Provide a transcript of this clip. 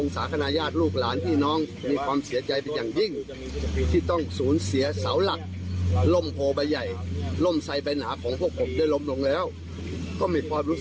ถ้าไม่ได้ก็ขอเชิญนะครับมาร่วมงาน